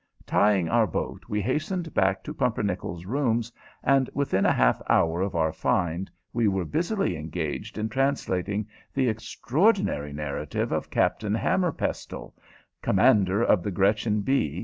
Tying our boat, we hastened back to Pumpernickel's rooms, and within a half hour of our find we were busily engaged in translating the extraordinary narrative of Captain Hammerpestle, commander of the _Gretchen B.